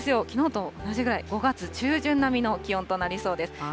きのうと同じぐらい、５月中旬並みの気温となりそうです。